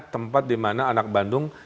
tempat dimana anak bandung